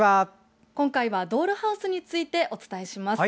今回はドールハウスについてお伝えします。